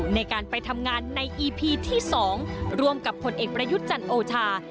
ในการไปทำงานในอีพีที่๒ร่วมกับผลเอกประยุทธ์จันทร์โอชา